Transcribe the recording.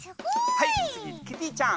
はい次キティちゃん。